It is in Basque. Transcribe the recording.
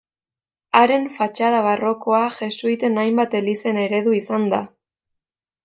Haren fatxada barrokoa jesuiten hainbat elizen eredu izan da.